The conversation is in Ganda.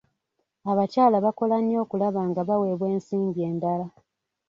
Abakyala bakola nnyo okulaba nga baweebwa ensimbi endala.